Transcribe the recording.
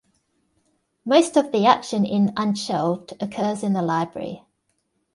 Most of the action in "Unshelved" occurs in the library.